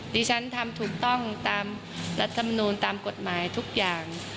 ดิฉันทำถูกต้องตามรัฐมนูลตามกฎหมายทุกอย่าง